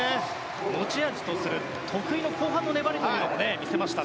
持ち味とする得意の後半の粘りも見せました。